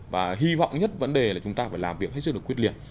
và hy vọng nhất vấn đề là chúng ta phải làm việc hết sức là quyết liệt